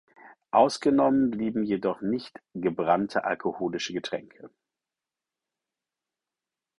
Ausgenommen blieben jedoch nicht gebrannte alkoholische Getränke.